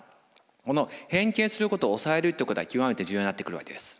この変形することを抑えるということが極めて重要になってくるわけです。